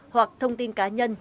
hoặc thông tin cá nhân